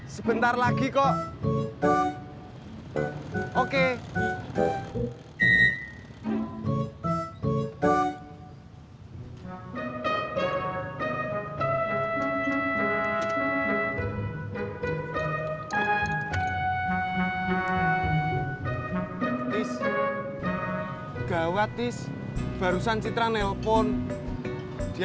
soalnya tadi dia bilang udah dibaca separoh